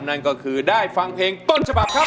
นั่นก็คือได้ฟังเพลงต้นฉบับครับ